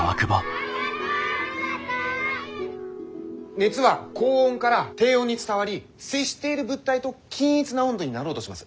熱は高温から低温に伝わり接している物体と均一な温度になろうとします。